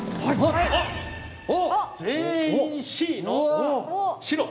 全員「Ｃ」の「白」。